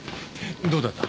どうだった？